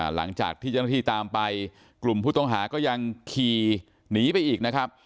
หลังจากที่เจ้าหน้าที่ตามไปกลุ่มผู้ต้องหาก็ยังขี่หนีไปอีกนะครับ